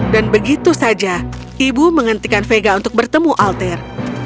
dan begitu saja ibu menghentikan vega untuk bertemu alter